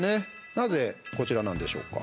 なぜ、こちらなんでしょうか？